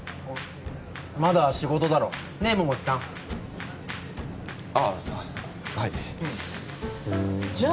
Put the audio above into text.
まだ仕事だろねえ百瀬さんああはいうんふんじゃあ